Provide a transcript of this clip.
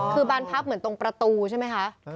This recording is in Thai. คือบ้านพักเหมือนตรงประตูใช่ไหมคะ